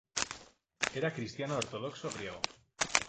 Era cristiano ortodoxo griego.